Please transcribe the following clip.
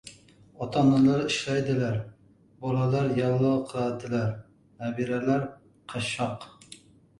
• Ota-onalar ishlaydilar, bolalar yallo qiladilar, nabiralar — qashshoq.